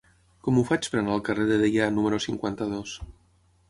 Com ho faig per anar al carrer de Deià número cinquanta-dos?